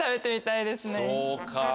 そうか。